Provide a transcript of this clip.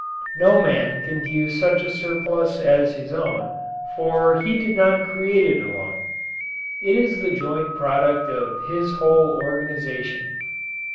No man can view such a surplus as his own, for he did not create it alone. It is the joint product of his whole organization.